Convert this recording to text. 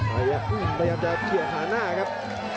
พยายามจะเฉียดหาหน้าครับ